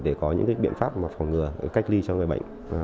để có những biện pháp phòng ngừa cách ly cho người bệnh